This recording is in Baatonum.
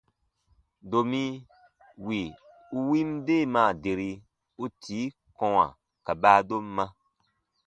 Domi wì u win deemaa deri, u tii kɔ̃wa ka baadomma.